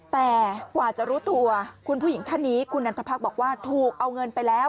แต่กว่าจะรู้ตัวคุณผู้หญิงท่านนี้คุณนันทพรรคบอกว่าถูกเอาเงินไปแล้ว